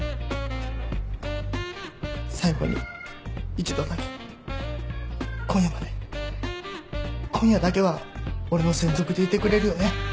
最後に１度だけ今夜まで今夜だけは俺の専属でいてくれるよね？